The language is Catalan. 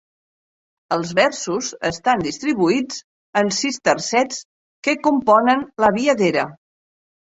Els versos estan distribuïts en sis tercets que componen la viadera.